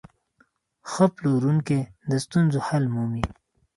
ښه پلورونکی د ستونزو حل مومي.